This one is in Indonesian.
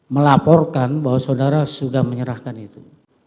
melaporkan bahwa saudara sudah menyerahkan itu